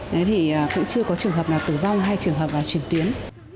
đấy thì cũng chưa có trường hợp nào tử vong hay trường hợp nào truyền tuyến